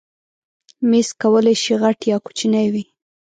مېز کولی شي غټ یا کوچنی وي.